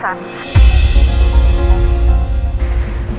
tidak ada yang bisa dikira